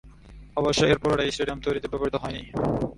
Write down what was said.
অবশ্য এর পুরোটাই স্টেডিয়াম তৈরিতে ব্যবহৃত হয়নি।